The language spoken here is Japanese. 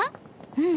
うん！